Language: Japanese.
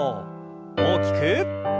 大きく。